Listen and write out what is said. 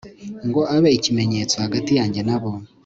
ngo abe ikimenyetso hagati yanjye nabo